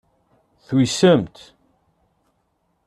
Tuysemt.